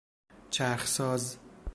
چرخساز